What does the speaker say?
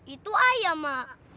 itu ayam mak